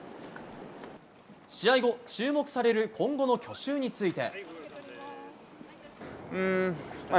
試合後、注目される今後の去就について。